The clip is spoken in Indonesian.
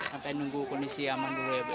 sampai nunggu kondisi aman dulu ya bu